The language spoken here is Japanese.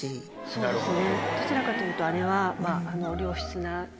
そうですよね。